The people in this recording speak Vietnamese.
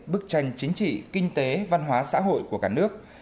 bức tranh chính trị kinh tế văn hóa xã hội của cả nước